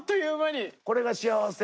これが幸せな。